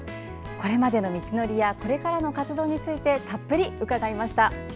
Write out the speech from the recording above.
これまでの道のりやこれからの活動についてたっぷり伺いました。